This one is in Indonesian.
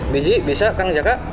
seratus biji bisa kang jaka